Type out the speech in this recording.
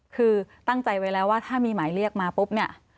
คือตั้งใจไว้แล้วว่าถ้ามีหมายเรียกมาปุ๊บเนี่ย